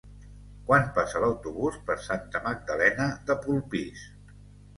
Quan passa l'autobús per Santa Magdalena de Polpís?